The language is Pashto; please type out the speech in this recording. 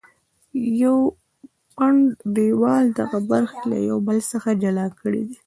یو پنډ دیوال دغه برخې له یو بل څخه جلا کړې دي.